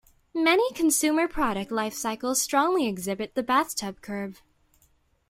Many consumer product life cycles strongly exhibit the bathtub curve.